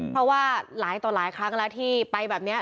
เพราะว่าหลายต่อหลายครั้งแล้วที่ไปแบบนี้